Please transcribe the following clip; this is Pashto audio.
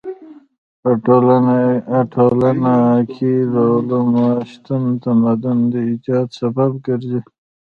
په ټولنه کې د علومو شتون د تمدن د ايجاد سبب ګرځي.